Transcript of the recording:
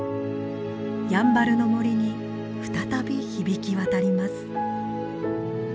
やんばるの森に再び響き渡ります。